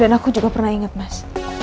aku juga pernah ingat mas